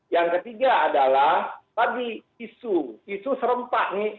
yang ketiga adalah tadi isu isu serempak nih